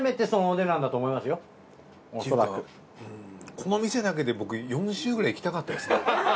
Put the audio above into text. この店だけで僕４週くらい行きたかったですね。